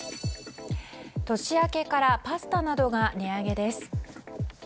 年明けからパスタなどが値上げです。